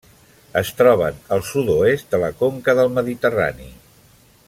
Es troben al sud-oest de la conca del Mediterrani.